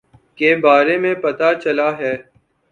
کے بارے میں پتا چلا ہے